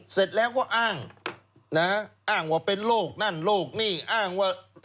เสร็จแล้วก็อ้างนะอ้างว่าเป็นโรคนั่นโรคนี่อ้างว่า